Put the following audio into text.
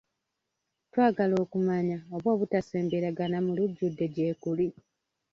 Twagala okumanya oba obutasemberagana mu lujjudde gye kuli.